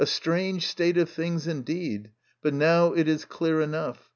strange state of things indeed, but now it is clear enough.